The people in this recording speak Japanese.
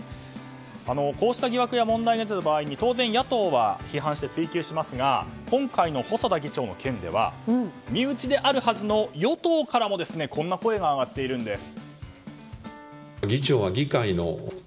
こうした疑惑や問題が出た場合に当然、野党は批判して追及しますが今回の細田議長の件では身内であるはずの与党からもこんな声が上がっています。